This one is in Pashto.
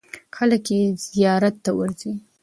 خلک یې زیارت ته ورځي.